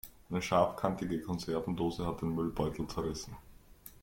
Eine scharfkantige Konservendose hat den Müllbeutel zerrissen.